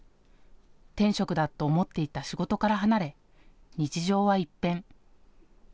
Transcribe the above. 天職だと思っていた仕事から離れ日常は一変。